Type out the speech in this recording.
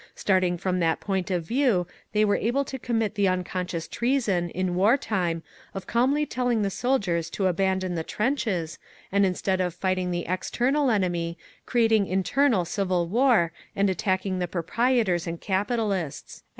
Starting from that point of view, they were able to commit the unconscious treason, in wartime, of calmly telling the soldiers to abandon the trenches, and instead of fighting the external enemy, creating internal civil war and attacking the proprietors and capitalists….